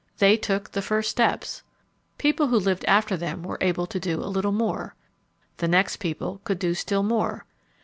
They took the first steps. People who lived after them were able to do a little more. The next people could do still more.